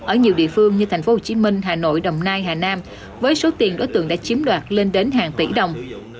ở nhiều địa phương như thành phố hồ chí minh hà nội đồng nai hà nam với số tiền đối tượng đã chiếm đoạt lên đến hàng tỷ đồng